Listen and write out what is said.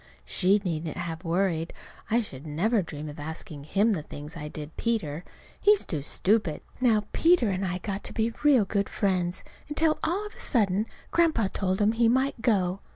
She needn't have worried. I should never dream of asking him the things I did Peter. He's too stupid. Now Peter and I got to be real good friends until all of a sudden Grandpa told him he might go.